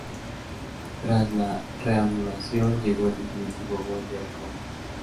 Tras la reanudación llegó el definitivo gol del Córdoba.